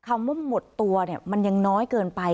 คำว่าหมดตัวมันยังน้อยเกินไป